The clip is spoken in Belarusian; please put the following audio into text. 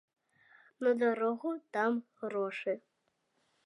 На дарогу дам грошы.